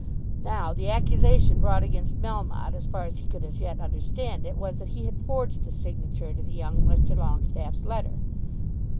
Now the accusation brought against Melmotte, as far as he could as yet understand it, was that he had forged the signature to the young Mr. Longestaffe's letter.